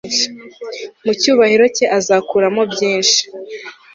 Mu cyubahiro cye azakuramo byinshi